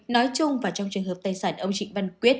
nói chung và trong trường hợp tài sản ông trịnh văn quyết